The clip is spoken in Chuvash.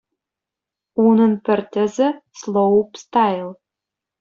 Унӑн пӗр тӗсӗ -- слоупстайл.